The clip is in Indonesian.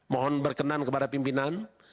mohon berkenan kepada pimpinan